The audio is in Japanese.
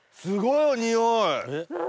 すごいよ！